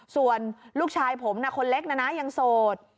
ส่วนลูกชายผมคนเล็กนะนะยังโสด